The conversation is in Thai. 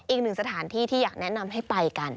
อีกหนึ่งสถานที่ที่อยากแนะนำให้ไปกัน